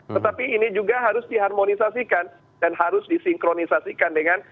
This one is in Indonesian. tetapi ini juga harus diharmonisasikan dan harus disinkronisasikan dengan